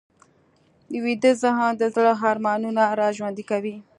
ویده ذهن د زړه ارمانونه راژوندي کوي